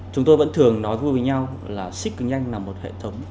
chúng tôi vẫn thường nói vui với nhau là xick cực nhanh là một hệ thống